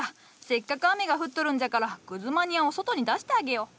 せっかく雨が降っとるんじゃからグズマニアを外に出してあげよう。